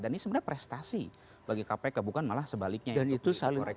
dan ini sebenarnya prestasi bagi kpk bukan malah sebaliknya itu